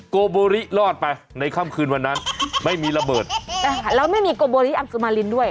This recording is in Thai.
โบริรอดไปในค่ำคืนวันนั้นไม่มีระเบิดอ่าแล้วไม่มีโกโบริอังสุมารินด้วย